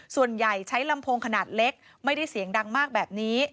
ส่วนใหญ่ใช้ลำโพงขนาดเล็กไม่ได้เสียงดังมากแบบนี้